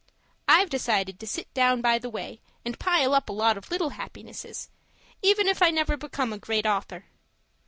I've decided to sit down by the way and pile up a lot of little happinesses, even if I never become a Great Author.